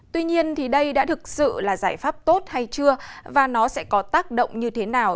tuy nhiên thì đây đã thực sự là giải pháp tốt hay chưa và nó sẽ có tác động như thế nào